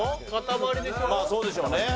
まあそうでしょうね。